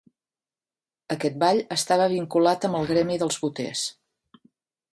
Aquest ball estava vinculat amb el gremi dels boters.